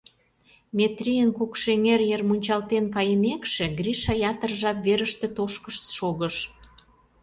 Метрийын Кукшеҥер йыр мунчалтен кайымекше, Гриша ятыр жап верыште тошкышт шогыш.